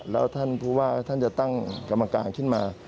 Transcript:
แล้วท่านผู้ว่าท่านจะตั้งกรรมการขึ้นมา